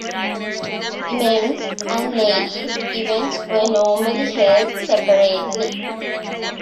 Men's and Ladies events were normally held separately.